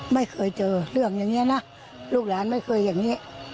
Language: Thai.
ไม่เคยเจอเรื่องอย่างนี้นะลูกหลานไม่เคยอย่างนี้